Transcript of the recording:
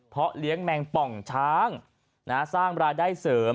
เพราะเลี้ยงแมงป่องช้างสร้างรายได้เสริม